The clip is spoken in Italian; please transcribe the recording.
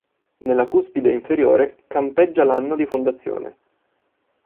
Nella cuspide inferiore campeggia l'anno di fondazione.